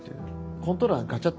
コントローラーガチャッ